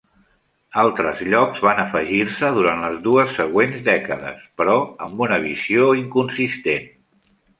Altres llocs van afegir-se durant les dues següents dècades, però amb una visió inconsistent.